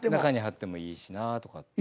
中に貼ってもいいしなとか。